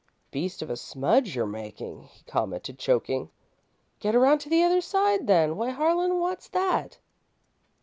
"Beast of a smudge you're making," he commented, choking. "Get around to the other side, then. Why, Harlan, what's that?"